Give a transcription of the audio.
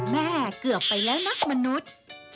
แม่เกือบไปแล้วนักมนุษย์